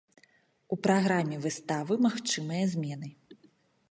У праграме выставы магчымыя змены.